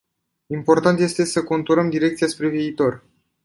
Important este să conturăm direcția spre viitor.